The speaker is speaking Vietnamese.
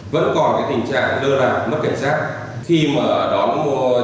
vẫn còn cái tình trạng lơ làng mất cảnh sát